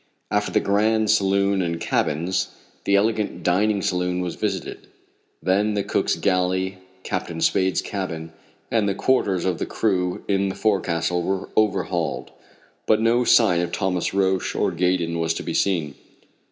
After the grand saloon and cabins, the elegant dining saloon was visited. Then the cook's galley, Captain Spade's cabin, and the quarters of the crew in the forecastle were overhauled, but no sign of Thomas Roch or Gaydon was to be seen.